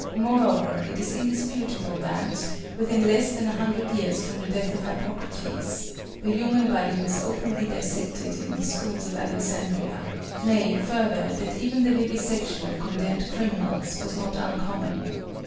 Moreover, it is indisputable that, within less than a hundred years from the death of Hippocrates, the human body was openly dissected in the schools of Alexandria nay, further, that even the vivisection of condemned criminals was not uncommon.